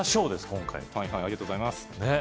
今回ありがとうございます